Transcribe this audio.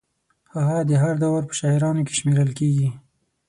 هغه د هر دور په شاعرانو کې شمېرل کېږي.